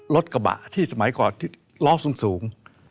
รถกระบะที่สมัยก่อล้องสูง